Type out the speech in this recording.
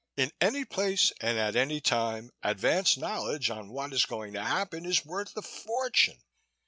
"In any place and at any time, advance knowledge on what is going to happen is worth a fortune.